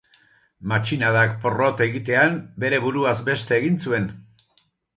Matxinadak porrot egitean, bere buruaz beste egin zuen.